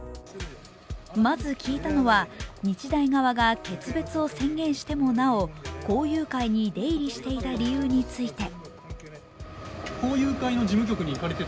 まず聞いたのは、日大側が決別を宣言してもなお校友会に出入りしていた理由について。